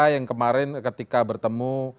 yang kemarin ketika bertemu